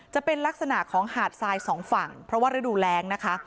จะเป็นลักษณะของหาดทรายสองฝั่งเพราะว่าฤดูแรงนะคะ